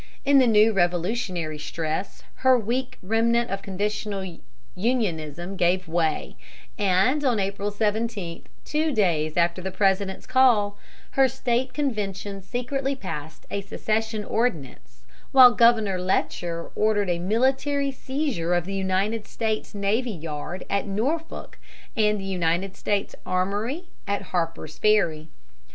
In the new revolutionary stress her weak remnant of conditional Unionism gave way; and on April 17, two days after the President's call, her State convention secretly passed a secession ordinance, while Governor Letcher ordered a military seizure of the United States navy yard at Norfolk and the United States armory at Harper's Ferry.